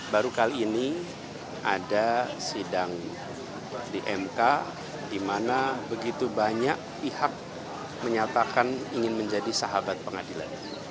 baru kali ini ada sidang di mk di mana begitu banyak pihak menyatakan ingin menjadi sahabat pengadilan